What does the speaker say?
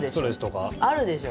あるでしょ。